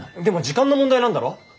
でも時間の問題なんだろ？